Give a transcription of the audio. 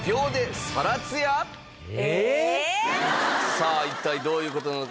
さあ一体どういう事なのか？